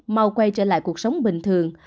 mau quay trở lại cuộc sống bình thường